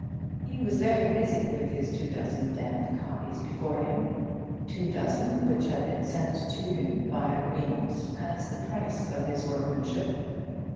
He was very busy with his two dozen damp copies before him, two dozen which had been sent to him, by agreement, as the price of his workmanship.